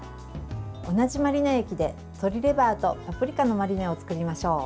同じマリネ液で鶏レバーとパプリカのマリネを作りましょう。